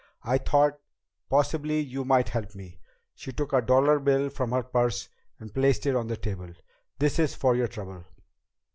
I thought possibly you might help me." She took a dollar bill from her purse and placed it on the table. "This is for your trouble."